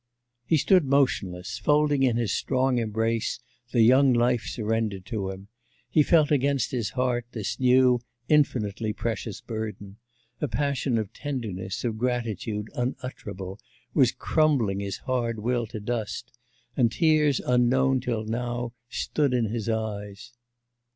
He stood motionless, folding in his strong embrace the young life surrendered to him; he felt against his heart this new, infinitely precious burden; a passion of tenderness, of gratitude unutterable, was crumbling his hard will to dust, and tears unknown till now stood in his eyes.